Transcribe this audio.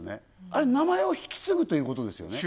あれ名前を引き継ぐということですよね